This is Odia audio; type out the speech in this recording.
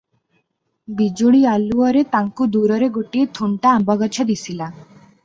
ବିଜୁଳି ଆଲୁଅରେ ତାଙ୍କୁ ଦୂରରେ ଗୋଟିଏ ଥୁଣ୍ଟା ଆମ୍ବଗଛ ଦିଶିଲା ।